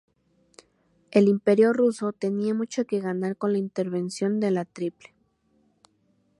El Imperio ruso tenía mucho que ganar con la intervención de la triple.